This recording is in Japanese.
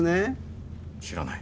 知らない。